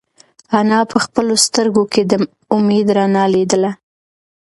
انا په خپلو سترگو کې د امید رڼا لیدله.